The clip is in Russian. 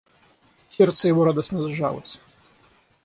Сердце его радостно сжалось.